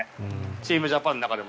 チームジャパンの中でも。